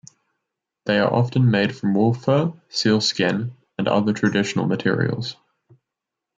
They are often made from wolf fur, sealskin and other traditional materials.